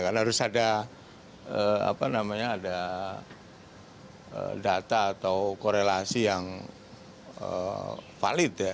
karena harus ada data atau korelasi yang valid ya